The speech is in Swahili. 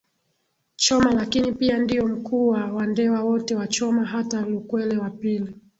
Choma lakini pia ndiyo Mkuu wa Wandewa wote wa Choma hata Lukwele wa pili